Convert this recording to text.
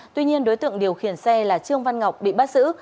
tuy nhiên đối tượng điều khiển xe là trương văn ngọc bị bắt giữ